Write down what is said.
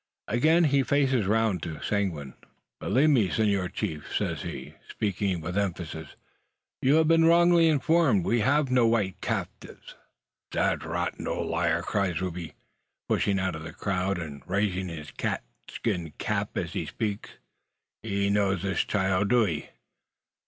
Again he faces round to Seguin. "Believe me, senor chief," says he, speaking with emphasis, "you have been wrongly informed. We have no white captives." "Pish! 'Ee dod rotted ole liar!" cries Rube, pushing out of the crowd, and raising his cat skin cap as he speaks. "'Ee know this child, do 'ee?"